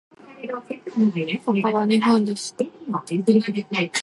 ここは日本ですか？